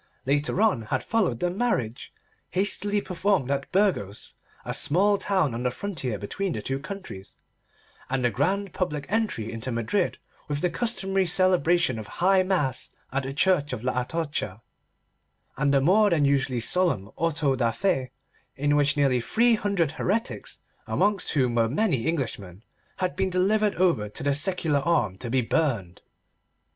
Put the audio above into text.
Later on had followed the marriage, hastily performed at Burgos, a small town on the frontier between the two countries, and the grand public entry into Madrid with the customary celebration of high mass at the Church of La Atocha, and a more than usually solemn auto da fé, in which nearly three hundred heretics, amongst whom were many Englishmen, had been delivered over to the secular arm to be burned.